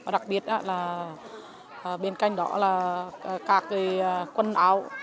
đặc biệt là bên cạnh đó là các quần áo